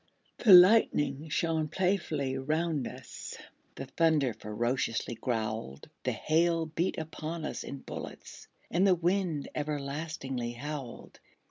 The lightning shone playfully round us; The thunder ferociously growled; The hail beat upon us in bullets; And the wind everlastingly howled.